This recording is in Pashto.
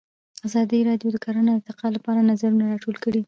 ازادي راډیو د کرهنه د ارتقا لپاره نظرونه راټول کړي.